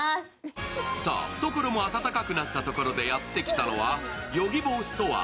懐も温かくなったところでやってきたのはＹｏｇｉｂｏＳｔｏｒｅ